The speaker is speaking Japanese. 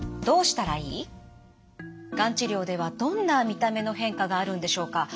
がん治療ではどんな見た目の変化があるんでしょうか。